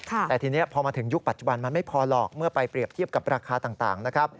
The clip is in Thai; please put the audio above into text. แต่ทีนี้พอมาถึงยุคปัจจุบันมันไม่พอหรอกเมื่อไปเปรียบเทียบกับราคาต่างนะครับ